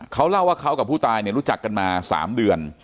เขาเล่าว่าเขากับผู้ตายรู้จักกันมา๓เดือน